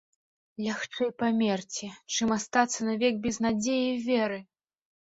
Лягчэй памерці, чым астацца навек без надзеі і веры!